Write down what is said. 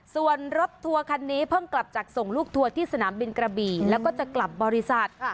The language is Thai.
ส่วนรถทัวร์คันนี้เพิ่งกลับจากส่งลูกทัวร์ที่สนามบินกระบี่แล้วก็จะกลับบริษัท